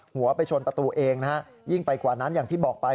หัวไปชนประตูเองนะฮะยิ่งไปกว่านั้นอย่างที่บอกไป